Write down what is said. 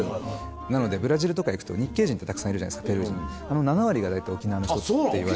なのでブラジルとか行くと日系人ってたくさんいるじゃないですかペルー人あの７割が大体沖縄の人っていわれてる。